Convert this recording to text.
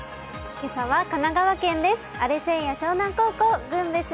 今朝は神奈川県です。